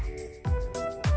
irisan bawang merah